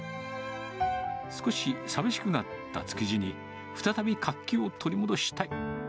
少し寂しくなった築地に、再び活気を取り戻したい。